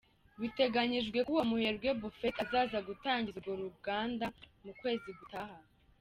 Biteganyijwe ko uwo muherwe Buffett azaza gutangiza urwo ruganda mu kwezi gutaha.